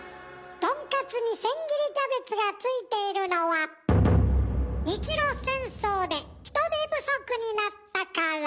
とんかつに千切りキャベツがついているのは日露戦争で人手不足になったから。